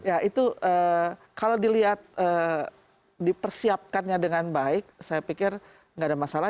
ya itu kalau dilihat dipersiapkannya dengan baik saya pikir nggak ada masalah